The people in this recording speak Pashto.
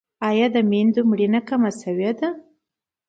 آیا د میندو مړینه کمه شوې؟